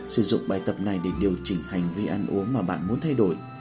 sử dụng bài tập này để điều chỉnh hành vi ăn uống mà bạn muốn thay đổi